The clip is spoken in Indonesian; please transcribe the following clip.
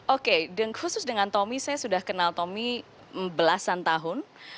oke khusus dengan tommy saya sudah kenal tommy belasan tahun